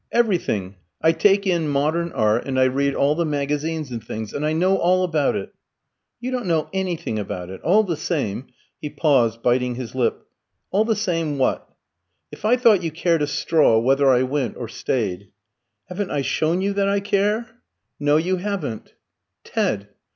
"Everything. I take in 'Modern Art,' and I read all the magazines and things, and I know all about it." "You don't know anything about it. All the same " he paused, biting his lip. "All the same, what?" "If I thought you cared a straw whether I went or stayed " "Haven't I shown you that I care?" "No, you haven't." "Ted!"